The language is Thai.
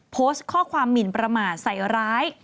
โพสต์ข้อความหมินประมาทใส่ร้าย